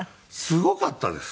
すごかったです。